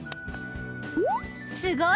すごい！